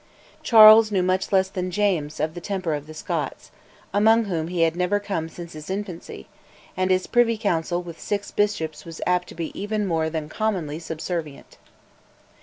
Charles knew much less than James of the temper of the Scots, among whom he had never come since his infancy, and his Privy Council with six bishops was apt to be even more than commonly subservient.